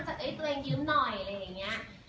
ตัวเองยืมหน่อยแล้วอย่างนี้